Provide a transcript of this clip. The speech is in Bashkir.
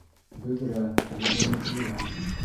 Бөҙрә, бөҙрәләтелгән.